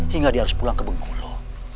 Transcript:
hingga dia harus pulang ke bengkulu